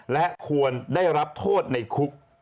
และควรได้รับโทษในคุก